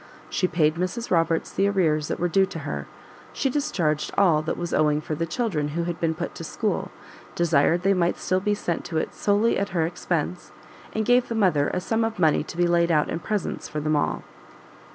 She paid Mrs Roberts the arrears that were due to her, she discharged all that was owing for the children who had been put to school, desired they might still be sent to it solely at her expense, and gave the mother a sum of money to be laid out in presents for them all.